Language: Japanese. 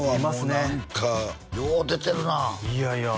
今は何かよう出てるないやいや